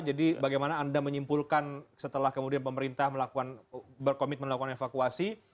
jadi bagaimana anda menyimpulkan setelah kemudian pemerintah berkomitmen melakukan evakuasi